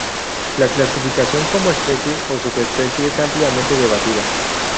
La clasificación como especie o subespecie es ampliamente debatida.